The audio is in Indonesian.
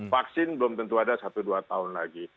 vaksin belum tentu ada satu dua tahun lagi